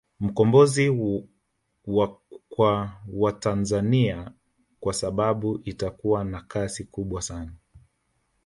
Mkombozi wa Kwa watanzania kwa sababu itakua na kasi kubwa sana